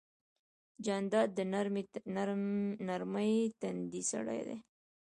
جانداد د نرمې تندې سړی دی.